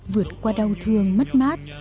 vượt qua đau thương mất mát